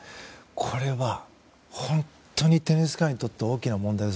これは、本当にテニス界にとって大きな問題です